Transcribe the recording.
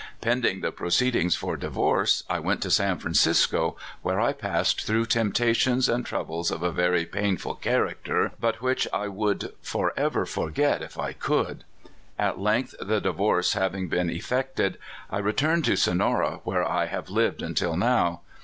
" Pending the proceedings for divorce, I went to San Francisco, where I passed through temptations and troubles of a very painful character, but which I would forever forget if I could. At length, the divorce having been effected, I returned to Sonora, where I have lived until now.